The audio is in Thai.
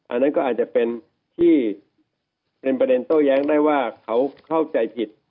อันนั้นก็อาจจะเป็นที่เป็นประเด็นโต้แย้งได้ว่าเขาเข้าใจผิด